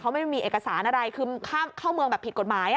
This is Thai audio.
ไม่มีเอกสารอะไรคือเข้าเมืองแบบผิดกฎหมาย